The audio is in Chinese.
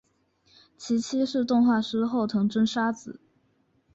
其妻是动画师后藤真砂子。